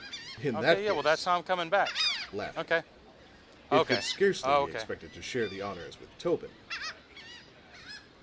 In that case," laughing, "it could scarcely be expected to share the honors with Tobin."